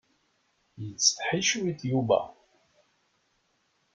Yettseḥi cwiṭ Yuba.